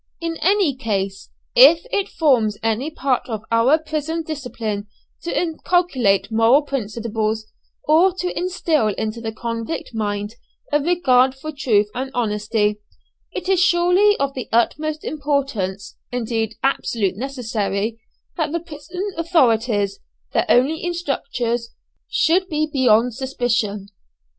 In any case, if it forms any part of our prison discipline to inculcate moral principles, or to instil into the convict mind a regard for truth and honesty, it is surely of the utmost importance, indeed absolutely necessary, that the prison authorities, their only instructors, should be beyond suspicion.